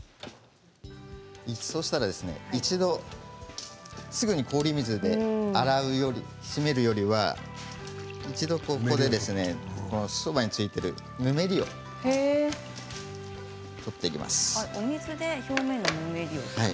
一度すぐに氷水で洗うように締めるよりは一度ここで麺についているぬめりを取ってください。